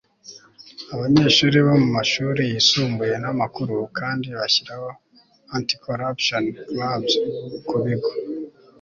abanyeshuri bo mu mashuri yisumbuye n'amakuru kandi bashyiraho anti-corruption clubs ku bigo